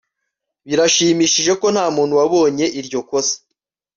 Birashimishije ko ntamuntu wabonye iryo kosa